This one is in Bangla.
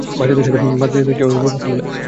বাচ্চাদের সাথে কেউ এভাবে কথা বলে।